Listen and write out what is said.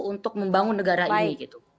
untuk membangun negara ini